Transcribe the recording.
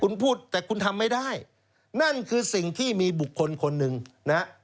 คุณพูดแต่คุณทำไม่ได้นั่นคือสิ่งที่มีบุคคลคนหนึ่งนะฮะ